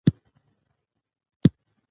په افغانستان کې د انګورو په اړه زده کړه کېږي.